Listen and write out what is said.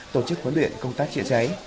tổ chức huấn luyện công tác triệu cháy